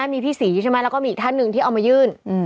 มีพี่ศรีใช่ไหมแล้วก็มีอีกท่านหนึ่งที่เอามายื่น